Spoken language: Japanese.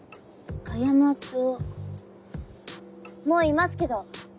香山町もういますけど。